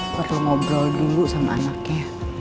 aku perlu ngobrol dulu sama anaknya